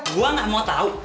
gue gak mau tau